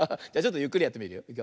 じゃちょっとゆっくりやってみるよ。